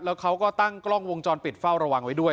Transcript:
แล้วเขาก็ตั้งกล้องวงจรปิดเฝ้าระวังไว้ด้วย